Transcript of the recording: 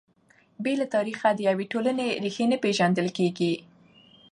بې له تاریخه د یوې ټولنې ريښې نه پېژندل کیږي.